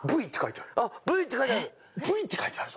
「Ｖ」って書いてある！